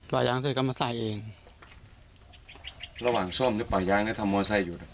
ป่าย้างเสร็จก็มาใส่เองระหว่างส้มแล้วป่าย้างเนี้ยทำว่าใส่อยู่